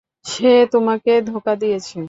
সে তোমাকে ধোঁকা দিয়েছে।